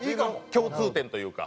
共通点というか。